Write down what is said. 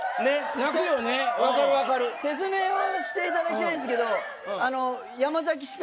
説明をしていただきたいんですけど。